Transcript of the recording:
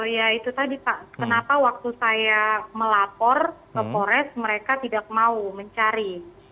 ya itu tadi pak kenapa waktu saya melapor ke polres mereka tidak mau mencari